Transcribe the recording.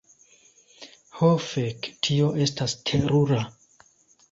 Ho fek. Tio estas terura.